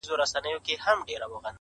o که هر څو مي درته ډېري زارۍ وکړې,